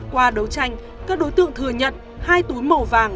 qua đấu tranh các đối tượng thừa nhận hai túi màu vàng